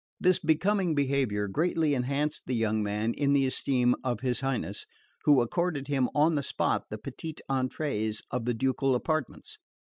This becoming behaviour greatly advanced the young man in the esteem of his Highness, who accorded him on the spot the petites entrees of the ducal apartments.